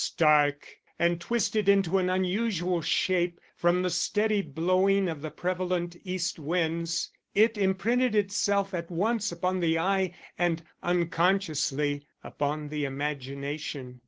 Stark and twisted into an unusual shape from the steady blowing of the prevalent east winds, it imprinted itself at once upon the eye and unconsciously upon the imagination.